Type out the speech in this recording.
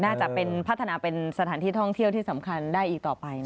น่าจะเป็นพัฒนาเป็นสถานที่ท่องเที่ยวที่สำคัญได้อีกต่อไป